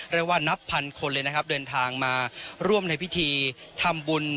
เรียกว่านับพันคนเลยนะครับเดินทางมาร่วมในพิธีทำบุญ